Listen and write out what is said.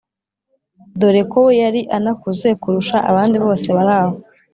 dore ko yari anakuze kurusha abandi bose baraho